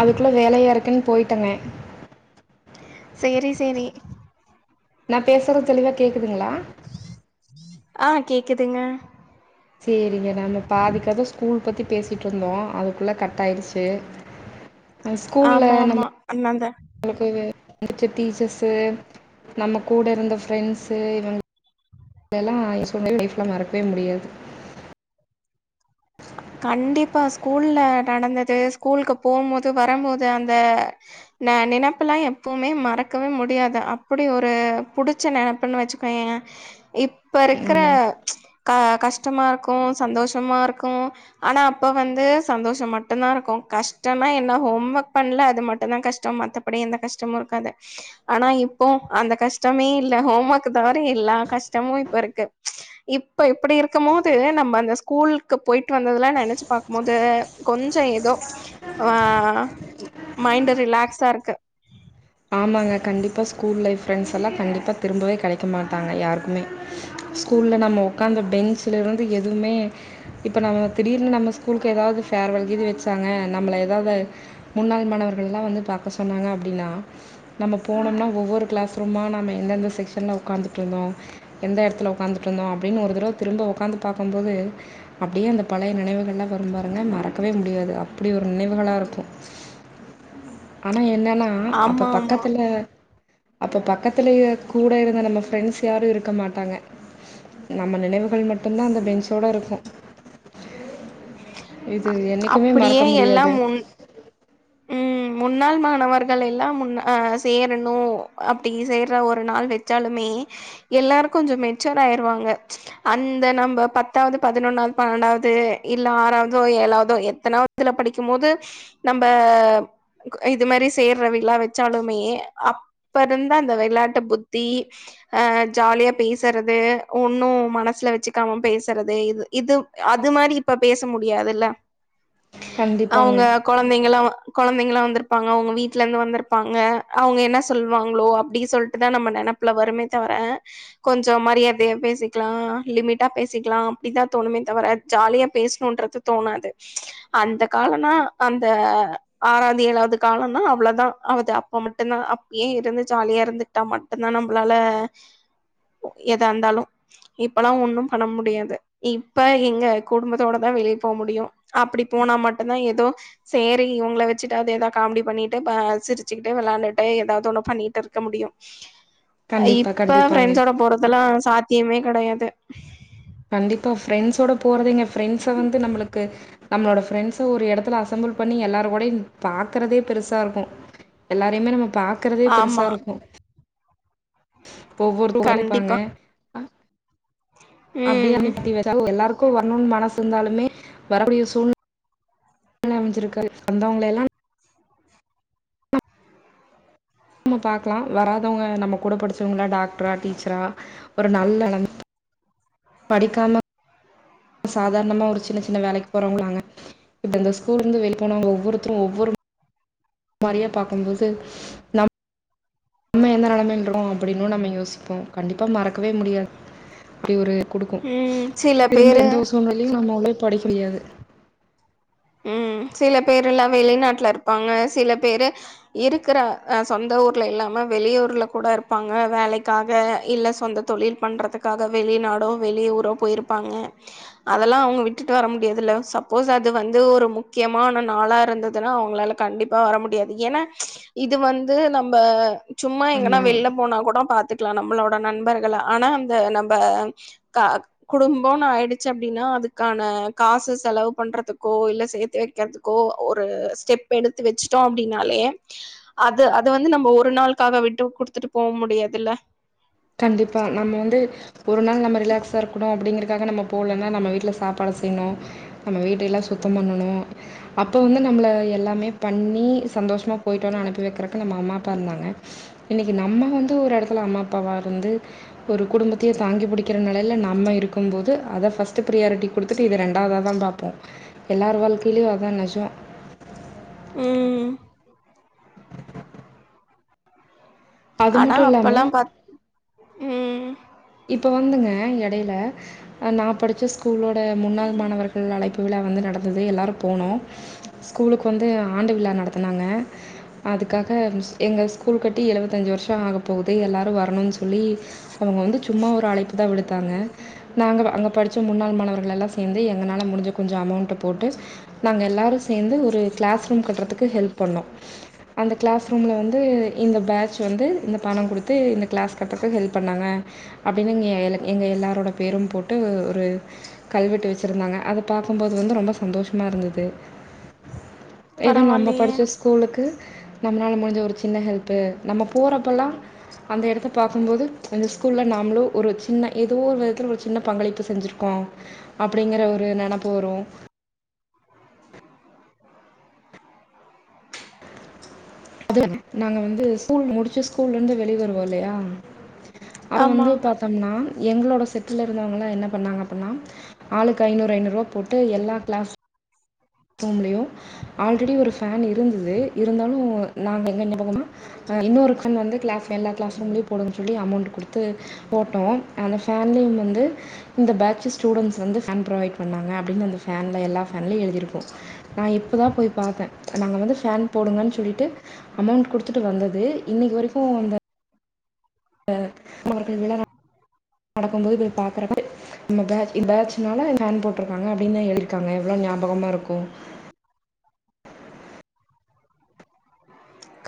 அதுக்குள்ள வேலயா இருக்குன்னு போயிட்டங்க சேரி சேரி நான் பேசுறது தெளிவா கேக்குதுங்களா ஆ கேக்குதுங்க சரிங்க நம்ம பாதி கதை ஸ்கூல் பற்றி பேசிகிட்டுருந்தோம் அதுக்குள்ளே கட் ஆயிருச்சு ஆமா ஆமா அண்ணந்தா நமக்கு புடிச்ச டீச்சர்ஸ் நம்ம கூட இருந்த ஃப்ரெண்ட்ஸ்ஸு இவங்க எல்லாம் சொன்ன லைப்ல மறக்கவே முடியாது கண்டிப்பா ஸ்கூல்ல நடந்தது ஸ்கூலுக்கு போகும்போது வரும்போது அந்த ந நெனைப்பு எல்லாம் எப்வுமே மறக்கவே முடியாது அப்டி ஒரு புடிச்ச நெனப்புன்னு வச்சுக்கோயேன் இப்ப இருக்கிற ஆமாம் க கஷ்டமா இருக்கும் சந்தோஷமா இருக் கும் ஆனா அப்ப வந்து சந்தோஷம் மட்டும் தான் இருக்கும் கஷ்டம்னா என்ன ஹோம் ஒர்க் பண்ணல அது மட்டும் தான் கஷ்டம் மத்தபடி எந்த கஷ்டமும் இருக்காது ஆனா இப்போ அந்த கஷ்டமே இல்ல ஹோம் ஒர்க் தவிர இல்ல கஷ்டமும் இப்ப இருக்கு இப்ப இப்டி இருக்கும் போது நம்ம அந்த ஸ்கூல் போயிட்டு வந்ததுலாம் நெனைச்சு பாக்கும் போது கொஞ்சம் ஏதோ ஆ மைண்ட் ரிலாக்ஸா இருக்கு ஆமாங்க கண்டிப்பாக ஸூகூல் ஃப்ரெண்டஸ் எலாம் கண்டிப்பா திரும்பவே கட க்க மாட்டாங்க யாருக்குமே ஸ்கூல்ல நம்ம உட்காந்த பென்ஞ்சுலருந்து எதுவுமே இப்ப நம்ம திடீர்னு நம்ம ஸ்கூலுக்கு ஏதாவது ஃபேர்வல் கீது வச்சாங்க நம்மள ஏதாவது முன்னாள் மாணவர்கள்லெலாம் வந்து பாக்க சொன்னாங்க அப்டின்னா நம்ம போனோம்னா ஒவ்வொரு கிளாஸ் ரூமா நம்ம எந்தெந்த செக்ஷன்ல உ்காந்துட்டு இருந்தோம் எந்த இடத்துல உட்காந்துட்டு இருந்தோம் அப்டின்னு ஒரு தடவை திரும்ப உ்காந்து பாக்கும்போது அப்டியே அந்த பழைய நினைவுகள்லாம் வரும் பாருங்க மறக்கவே முடியாது அப்படி ஒரு நினைவுகளா இருக்கும் ஆனா என்னன்னா ஆமா அப்ப ஆமா பக்கத்துல அப்ப பக்கத்துல கூட இருந்த நம்ம ப்ரெண்ட்ஸ் யாரும் இருக்க மாட்டாங்க நம்ம நினைவுகள் மட்டு அப்ப தான் அந்த பெஞ்சோடு இருக்கும் இது என்னைக்குமே அப்டியே மறக்க எல்லா முடியாது முன் ம் முன்னாள் மாணவர்கள் எல்லாம் முன்னா சேரணும் அப்டி சேற ஒரு நாள் வச்சாலுமே எல்லாரும் கொஞ்சம் மெச்சூர் ஆயிருவாங்க அந்த நம்ம பத்தாவது பதினொன்னாவது பன்னெண்டாவது இல்ல ஆறாவதோ ஏழாவதோ எத்தனாவதுல படிக்கும் போது நம் ப இது மாதிரி சேர்ற விழா வச்சாலுமே அப்ப இருந்து அந்த விளையாட்டு புத்தி அ ஜாலியா பேசுறது ஒன்னும் மனசுல வச்சுக்காம பேசுறது இது இது அது மாரி இப்ப பேச முடியாதுல்ல கண்டிப்பாங்க தைங்களாம் கொழந்தைங்களாம் வந்திருப்பாங்க அவங்க வீட்டு்ல இருந்து வந்திருப்பாங்க அவங்க என்ன சொல்லுவாங்களோ அப்டி சொல்லிட்டுதான் நம்ம நெனப்புல வருமே தவிர கொஞ்சம் மரியாதையா பேசிக்கலாம் லிமிட்டா பேசிக்கலாம் அப்டிதான் தோணுமே தவிர ஜாலியா பேசணும்ன்றது தோணாது அந்த காலம்னா அந்த ஆறாவது ஏழாவது காலம்னா அவ்வளவுதான் அது அப்ப மட்டும் தான் அப்பயே இருந்து ஜாலியா இருந்துகிட்டா மட்டும்தான் நம்மளால எத இருந்தாலும் இப்ல்லாம் ஒண்ணும் பண்ண முடியாது இப்ப எங்க குடும்பத்தோடதான் வெளியே போக முடியும் அப்டி போனா மட்டும்தான் ஏதோ சேரி உங்களை வச்சுட்டாவது ஏதாவது காமெடி பண்ணிட்டு சிரிச்சுக்கிட்டு வெளையாண்டுட்டு ஏதாவது ஒண்ணு பண்ணிட்டு இருக்க முடியும் அ கண்டிப்பா, இப்ப கண்டிப்பாங்க. ஃப்ரெண்ட்ஸோட போறதெல்லாம் சாத் தீயமே கெடையாது கண்டிப்பா ஃப்ரெண்ட்ஸோட போறதுங்க ஃப்ரெண்ட்ஸ் வந்து நம்மளுக்கு நம்மளோட ஃப்ரெண்ட்ஸ ஒரு இடத்துல அசம்பிள் பண்ணி எல்லாரும் கூடயும் பாக்குறதே பெருசா இருக்கும் எல்லாரையுமே நம்ம பாக்குறதே பெருசா ஆமா இருக்கும் ஒவ்வொருத்தரும் இருபாங்க கண்டிப்பா அப்டியே [inaudible] ம் எல்லாருக்கும் எனக்கு வரணும்னு மனசு இருந்தாலமே வரக்கூடிய சூழ்நில அமைிருக்க வந்தவங்கள எல்லாம் நம்ம பாக்கலாம் வராதவங்க நம்ம கூட படிச்சவங்கள டாக்டரா டீச்சரா ஒரு நல்ல படிக்காம சாதாரணமா ஒரு சின்ன சின்ன வேலக்கு போறவங்க நாங்க இப்ப இந்த ஸ்கூல் இருந்து வெளியே போனவங்க ஒவ்வொருத்தரும் ஒவ்வொரு மாரியே பாகக்கும்போது நம் நம்ம எந்த நிலைமையில இருக்கோம் அப்டின்னு நம்ம யோசிப்போம் கண்டிப்பா மறக்கவே முடியாது அப்டி ஒரு கொடுக்கும் ம் சில பேரு திரும்ப எந்த சூழ்நிலையும் நம்ம உ படிக்க முடியாது ம் சில பேர்லாம் வெளிநாட்டல இருப்பாங்க சில பேர் இருக்கிற சொந்த ஊர்ல இல்லாம வெளியூஊர்ல கூட இருப்பாங்க வேலக்காக இல்ல சொந்த தொழில் பண்றதுக்காக வெளிநாடோ வெளிய ஊரோ போயிருப்பாங்க அதெல்லாம் அவங்க விட்டுட்டு வர முடியாதுல சப்போஸ் அது வந்து ஏதோ ஒரு முக்கியமான நாளா இருந்ததுன்னா அவங்களால கண்டிப்பா வர முடியாது ஏன்னா இது வந்து நம்ம சும்மா எங்கன்னா ஆமா வெளில போனா கூட பா்த்துட்டு லாம் நம்மளோட நண்பர்க ஆனா அந்த நம்ம குடும்பம்னு ஆயிடுச்சு அப்டின்னா அதுக்கான காசு செலவு பண்றதுக்கு கோ இல்ல சேர்த்து வைக்கிறதுக்கோ ஒரு ஸ்டெப் எடுத்து வச்சுட்டோம் அப்டின்னாலே அது அத வந்து நம்ம ஒரு நாளுக்காக விட்டு குடுத்துட்டு போக முடியாதுல கண்டிப்பா நம்ம வந்து ஒரு நாள் நம்ம ரிலாக்ஸா இருக்கணும் அப்டிங்கற அதுக்காக நாம போலன நம்ம வீட்டுல சாப்பாடு செய்யணும் நம்ம வீட்டஎல்லாம் சுத்தம் பண்ணும் அப்ப வந்து நம்பல எல்லாமே பண்ணி சந்தோஷமா போயிட்டுவானு அனுப்பி வைக்கிறதுக்கு நம் அம்மா அப்பா இருந்தாங்க இன்னைக்கி நம்ம வந்து ஒரு இடத்துல அம்மா அப்பாவா இருந்து ஒரு குடும்பத்தையே தாங்கி பிடிக்கிற நிலையில நம்ம இருக்கும் போது அதை ஃபர்ஸ்ட்ட் ப்ரியாரிட்டி கொடுத்துட்டு இத ரெண்டாவதாக தான் பாப்போம் எல்லார் வாழ்க்கையிலயும் அதான் நெஜம் ம் அது ஆனா மட்டும் இல்லாம அப்பல்லா பாத் ம் இப்போ வந்துங்க இடல நான படித்த ஸ்கூலோட முன்னாள் மாணவர்கள் அழைப்பு விழா வந்து நடந்தது எல்லாரரும் போனோம் ஸ்கூலுக்கு வந்து ஆண்டு விழா நடத்துனாங்க அதுக்காக எங்கள் ஸ்கூல் கட்டி எழுவத்தஞ்சு வருஷம் ஆகப்போகுது எல்லோரும் வரணும்ன்னு சொல்லி அவங்க வந்து ங்க நாங்க அங்க படிச்ச முன்னாள் மாணவர்கள் எல்லாம் சேர்ந்து எங்களனால முடிஞ்ச கொஞ்சம் அமௌண்ட்ட போட்டு நாங்க எல்லாரும் சேர்ந்து ஒரு கிளாஸ் ரூம் கட்டுறதுக்கு ஹெல்ப் பண்ணோம் அந்த கிளாஸ் ரூம்ல வந்து இந்த பேட்ச வந்து இந்த பணம் குடுத்து இந்த கிளாஸ் கட்ட ஹெல்ப் பண்ணாங்க நாங்க பட அப்டின்னுங்க எ எங்கள் எல்லாரோடய பேரும் போட்டு கல்வெட்டு வச்சுருந்தாங்க அது பாக்கும்போது வந்து ரொம்ப சந்தோஷமாக இருந்தது ஏதோ நம்ம பரவாயில்லயே படிச்ச ஸ்கூலுக்கு நம்மளால முடிஞ்ச ஒரு சின்ன ஹெல்பு நம்ம போறப்பல்லாம் அந்த இடத்தை பார்க்கும் போது அந்த ஸ்கூல்ல நாமளும் ஒரு சின்ன ஏதோ ஒரு விதத்து ஒரு சின்ன பங்களிப்பு செஞ்சிருக்கோம் அப்டிங்கற ஒரு நினைப்பு வரும் அது நாங்க வந்து ஸ்கூல் முடிச்சு ஸ்கூல்ல இருந்து வெளி வருவோம் இல்லையா அவ ஆமா வந்து பாத்தோம்னா எங்களோட செட்டில இருந்தவங்களாம் என்ன பண்ணாங்க அப்டின்னா ஆளுக்கு ஐநூறு ஐநூறு ரூவா போட்டு எல்லா கிளாஸ் ரூம்லயும் ஆல்ரெடி ஒரு ஃபேன் இருந்துது இருந்தாலும் நாங்க எங்க என்ன பண்ணுனோம்னா இன்னொரு ஃபேன் வந்து கிளாஸ் எல்லா க்ளாஸ் ரூம்லேயும் போடுனும் சொல்லி அமௌண்ட் கொடுத்து போட்டோம் அந்த ஃபேன்லேயும் வந்து இந்த பேட்சு ஸ்டூடண்ட் வந்து ஃபன் ப்ரோவைடு பண்ணினாங்க அப்டின்னு அந்த ஃபேனில் எல்லா ஃபேன்லயும் எழுதிருக்கும் நான் இப்போதான் போய் பாரத்தேன் நாங்க வந்து ஃபேன் போடுங்கன்னு சொல்லிட்டு அமௌண்ட் குடுத்துட்டு வந்தது இன்னைக்கு வரைக்கும் அந்த [unintelligible] நடக்கும் போது போய் பாக்குறப்ப நம்ம பேட்ஜ் பேட்ஜ்னால ஃபேன் போட் இருக்கங்க அப்டின்னு எழுதி இருக்காங்க எவ்ளோ பொகமா இருக்கும்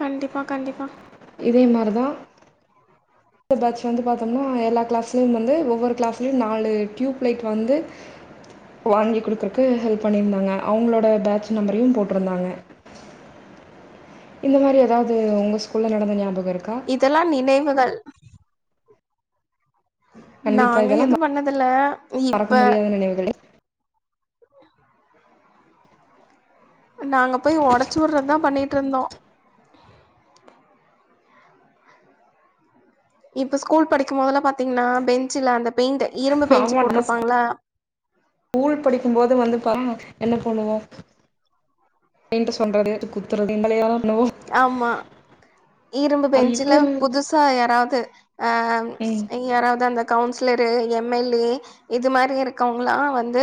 கண்டிப்பா கண்டிப்பா இதே மாரிதான் பேட்ச வந்து பாத்தோம்னா எல்லா கிளாஸ்லயும் வந்து ஒவ்வொரு கிளாஸ்லயும் நாலு டியயூப்லைட் வந்து வாங்கி குடுக்குறதுக்கு ஹெல்ப் பண்ணிருந்தாங்க அவங்களோட பேட்ச நம்பரையும் போட்டிருந்தாங்க இந்த மாரி ஏதாவது உங்க ஸ்கூ இதெல்லாம் நினைவுகள் கண்டிப்பாக நாங்க இதெல்லாம் எது பண்ணதுல இப்ப மறக்க முடியாத நினைவுகள் நாங்க போய் உடைச்சு விடுறதுதான் பண்ணிட்டு இருந்தோம் இப்ப ஸ்கூல் படிக்கும் போதலம் பாத்தீங்கன்னா பெஞ்சுல அந்த பெயிண்ட் இரும்பு பெஞ்ச் ஆமாம் நம்ம போட்டிருப்பாங்களா ஸ்கூல் படிக்கும் போது வந்து என்ன பண்ணுவோம் அ சொல்றது குத்துறது பண்ணுவோம் ஆமா அ இரும்பு அது பெஞ்சுல இப்போ புதுசா யாராவது அஹ் ம் யாராவது அந்த கவுன்சிலர் எம் எல் ஏ இது மாதிரி இருக்கவங்க எல்லா வந்து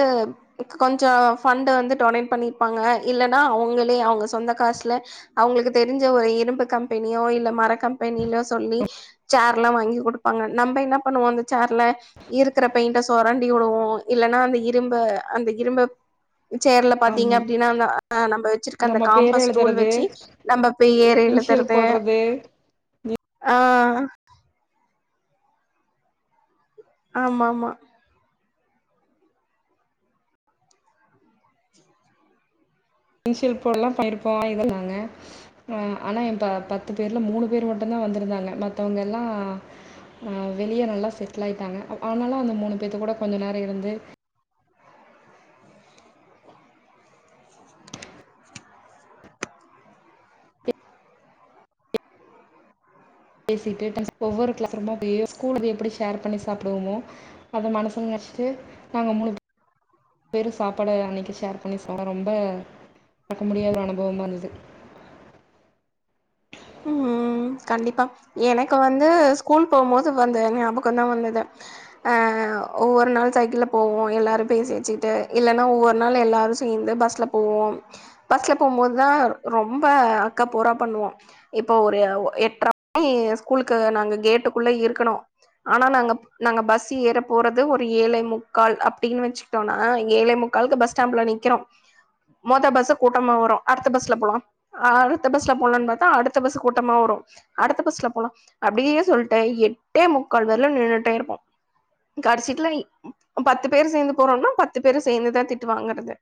கொஞ்சம் ஃபண்ட் வந்து டொனேட் பண்ணிருப்பாங்க இல்லன்னா அவங்களே அவங்க சொந்த காசுல அவங்களுக்கு தெரிஞ்ச ஒரு இரும்பு கம் கம்பெனியோ இல்ல மர கம்பெனியிலோ சொல்லி சேர் வாங்கி கொடுப்பாங்க நம்ம என்ன பண்ணுவோம் அந்த சோர்ல இருக்கிற பெயிண்ட சுரண்டி உடுவோம் இல்லன்னா அந்த இரும்பு அந்த இரும்பு சேர்ல பாத்தீங்க ஆமாம் அப்டின்னா அஹ் நம்ம வச்சிருக்க அந்த நம்ம பேர் காம்பஸ் டூல் எழுதுறது வச்சி நம்ம பேர் இனிஷியல் எழுதுறது போடுறது நீ ஆஹ் ஆமா ஆமா இன்ஷில் போட எல்லா [unintelligible] இதன்னாங்க ஆஹ ஆனா என் ப பத்து பேர்ல மூணு பேர் மட்டும் தான் வந்திருந்தாங்க மத்தவங்க எல்லா அஹ் வெளியே நல்லா செட்டில் ஆயிட்டாங்க ஆனாலும் அந்த மூணு பேத்த கூட கொஞ்சம் நேரம் இருந்து பேசிட்டு ஒவ்வொரு கிளாஸ் ரூமா போ ஸ்கூல எப்டி ஷேர் பண்ணி சாப்டுவமோ அத மனசுன்னு நெனச்சிட்டு நாங்க மூணு பேரும் சாப்பாட அனக்கி ஷேர் பண்ணி ரொம்ப மறக்க முடியாத அனுபவமா இருந்து உம் கண்டிப்பா எனக்கு வந்து ஸ்கூல் போகும் போது வந்த ஞாபகம தான் வந்தது அஹ் ஒவ்வொரு நாள் சைக்கிள் போவோம் எல்லாரும் பேசி வச்சுட்டு இல்லைன்னா ஒவ்வொரு நாள் எல்லாரும் சேர்ந்து பஸ்ல போவோம் பஸ்ல போகும்போதுதான் ரொம்ப அக்கா போரா பண்ணுவோம் இப்போ ஒரு எட்ர ஸ்கூலுக்கு நாங்க கேட்டுக்குள்ள இருக்கணோம் ஆனா நாங்க நாங்க பஸ் ஏற போறது ஒரு ஏழை முக்கால் அப்டின்னு வச்சிட்டோம்னா ஏழ முக்காலக்கு பஸ் ஸ்டாம்பல நிற்கிறோம் மொத பஸ்ஸ கூட்டமாக வரும்ம அடுத்த பஸ்ல போலாம் அடுத்த பஸ்ல போலாம்னு பாத்தா அடுத்த அடுத்த பஸ் கூட்டமா வரும் அடுத்த பஸ்ல போலாம் அப்படியே சொல்ட்டு எட்டே முக்கால் வரலும் நின்னுட்டே இருப்போம் கடைசிட்டுல பத்து பேர் சேர்ந்து போறோம்னா பத்து பேரு சேர்ந்துதான் திட்டு வாங்கிறது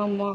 ஆமா.